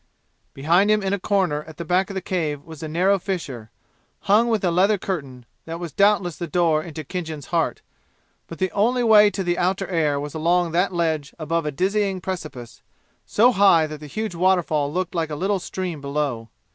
Behind him in a corner at the back of the cave was a narrow fissure, hung with a leather curtain, that was doubtless the door into Khinjan's heart; but the only way to the outer air was along that ledge above a dizzying precipice, so high that the huge waterfall looked like a little stream below.